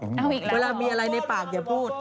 เวลามีอะไรในปากอย่าพูด